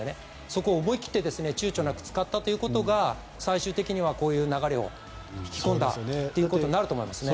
そこを思い切って躊躇なく使ったことが最終的にはこういう流れを引き込んだということになると思いますね。